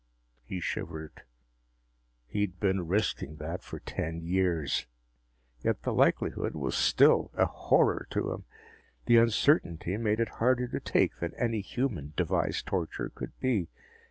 He shivered. He'd been risking that for ten years, yet the likelihood was still a horror to him. The uncertainty made it harder to take than any human devised torture could be.